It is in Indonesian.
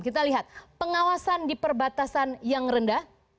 kita lihat pengawasan di perbatasan yang rendah